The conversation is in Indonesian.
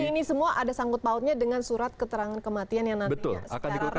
ini semua ada sangkut pautnya dengan surat keterangan kematian yang nantinya secara resmi